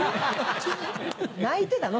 泣いてたの？